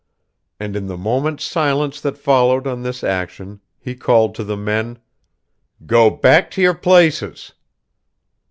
And in the moment's silence that followed on this action, he called to the men: "Go back to your places."